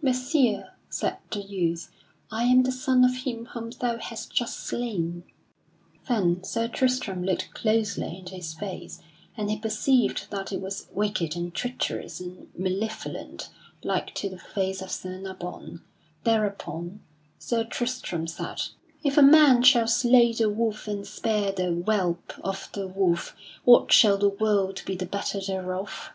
"Messire," said the youth, "I am the son of him whom thou hast just slain." [Sidenote: Sir Tristram slays the son of Sir Nabon] Then Sir Tristram looked closely into his face, and he perceived that it was wicked and treacherous and malevolent like to the face of Sir Nabon. Thereupon Sir Tristram said: "If a man shall slay the wolf and spare the whelp of the wolf, what shall the world be the better therefor?"